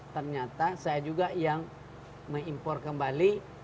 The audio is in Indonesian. ternyata saya juga yang mengimpor kembali